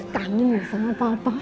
kami bersama papa